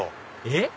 えっ？